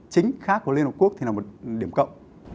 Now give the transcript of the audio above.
chính khác của liên hợp quốc thì là một điểm cộng